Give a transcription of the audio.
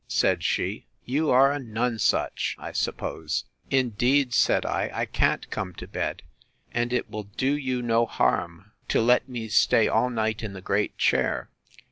said she. You are a nonsuch, I suppose. Indeed, said I, I can't come to bed; and it will do you no harm to let me stay all night in the great chair.